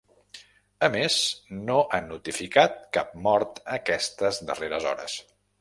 A més, no ha notificat cap mort aquestes darreres hores.